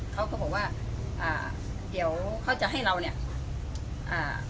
เขาก็บอกว่าอ่าเดี๋ยวเขาจะให้เราเนี้ยอ่า